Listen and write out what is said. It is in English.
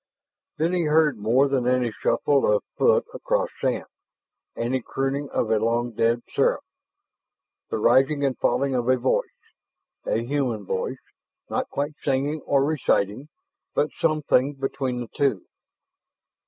Then he heard more than any shuffle of foot across sand, any crooning of a long dead seraph, the rising and falling of a voice: a human voice not quite singing or reciting, but something between the two.